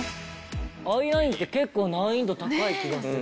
アイラインって結構難易度高い気がする。